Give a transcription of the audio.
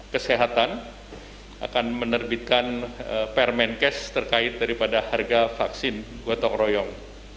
kesehatan akan menerbitkan permenkes terkait daripada harga vaksin gotong royong